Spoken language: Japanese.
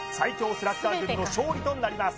スラッガー軍の勝利となります